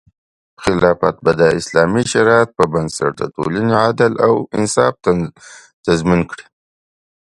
خلافت به د اسلامي شریعت په بنسټ د ټولنې عدل او انصاف تضمین کړي.